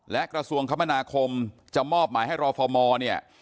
และกระทรวงคมนาคมจะมอบหมายให้รอฟมเนี่ย